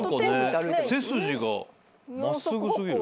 背筋が真っすぐ過ぎる。